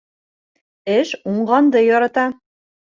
Эш уңғанды ярата.